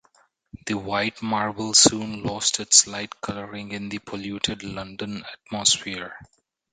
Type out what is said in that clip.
The white marble soon lost its light colouring in the polluted London atmosphere.